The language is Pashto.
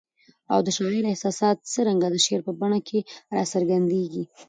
او د شاعر احساسات څرنګه د شعر په بڼه کي را څرګندیږي؟